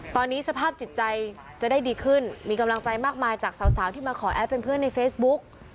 ตอนนี้สภาพจิตใจจะได้ดีขึ้นมีกำลังใจมากมายจากสาวที่มาขอแอดเป็นเพื่อนในเฟซบุ๊ก